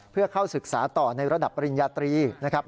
เพื่อเข้าศึกษาต่อในระดับปริญญาตรีนะครับ